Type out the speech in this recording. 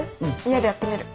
家でやってみる。